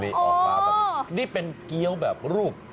นี่ออกมาแบบนี้นี่เป็นเกี้ยวแบบรูป